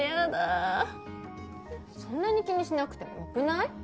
そんなに気にしなくてもよくない？